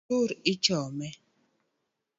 Otur ichome